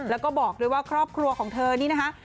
แล้วก็บอกด้วยว่าครอบครัวของเธอนี่นะคะ